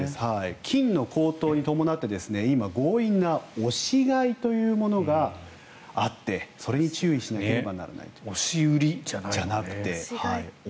金の高騰に伴って今強引な押し買いというものがあってそれに注意しなければならないという。